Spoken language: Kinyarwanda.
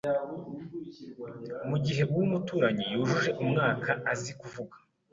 mu gihe uw’umuturanyi yujuje umwaka azi kuvuga